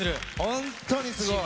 本当にすごい。